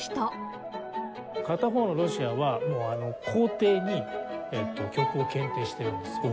片方のロシアは皇帝に曲を献呈しているんですよ。